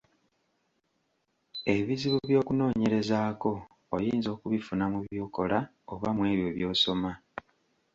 Ebizibu by’okunoonyerezaako oyinza okubifuna mu by'okola oba mu ebyo by'osoma.